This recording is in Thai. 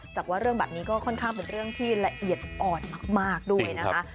จากว่าเรื่องแบบนี้ก็ค่อนข้างเป็นเรื่องที่ละเอียดอ่อนมากด้วยนะคะ